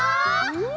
うん。